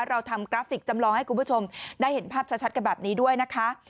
เราทำกราฟิกจำลองให้คุณผู้ชมได้เห็นภาพชัดกันแบบนี้ด้วยนะคะ